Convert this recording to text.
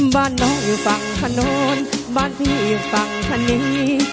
บ้านน้องอยู่ฝั่งถนนบ้านพี่ฝั่งธนี